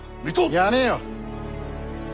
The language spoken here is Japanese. やめよ！